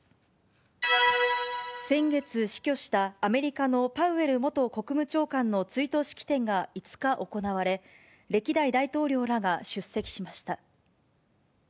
先月死去したアメリカのパウエル元国務長官の追悼式典が５日行われ、歴代大統領らが出席しました。